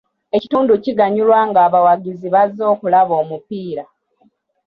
Ekitundu kiganyulwa ng'abawagizi bazze okulaba omupiira.